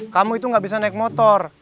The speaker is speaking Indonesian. kamu itu nggak bisa naik motor